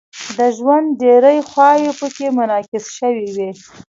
د ژوند ډیرې خواوې پکې منعکس شوې وي.